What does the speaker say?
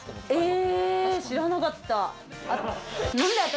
知らなかった。